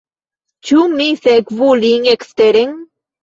Ĉu mi sekvu lin eksteren?